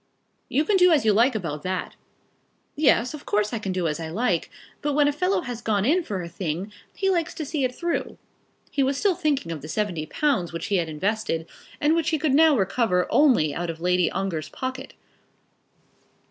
"You can do as you like about that." "Yes; of course I can do as I like; but when a fellow has gone in for a thing, he likes to see it through." He was still thinking of the seventy pounds which he had invested, and which he could now recover only out of Lady Ongar's pocket.